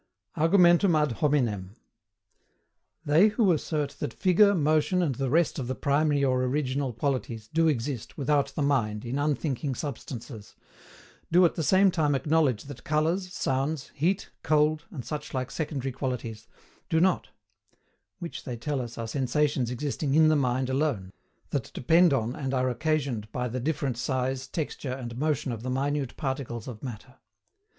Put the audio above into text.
ARGUMENTUM AD HOMINEM. They who assert that figure, motion, and the rest of the primary or original qualities do exist without the mind in unthinking substances, do at the same time acknowledge that colours, sounds, heat cold, and suchlike secondary qualities, do not which they tell us are sensations existing IN THE MIND ALONE, that depend on and are occasioned by the different size, texture, and motion of the minute particles of matter.